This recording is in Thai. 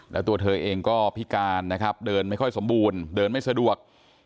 แล้วตัวเธอเองก็พิการนะครับเดินไม่ค่อยสมบูรณ์เดินไม่สะดวก